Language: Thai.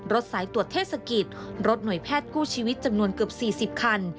สายตรวจเทศกิจรถหน่วยแพทย์กู้ชีวิตจำนวนเกือบ๔๐คัน